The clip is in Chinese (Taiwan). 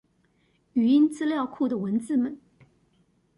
語音資料庫的文字們